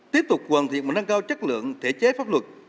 tiếp tục hoàn thiện và nâng cao chất lượng thể chế pháp luật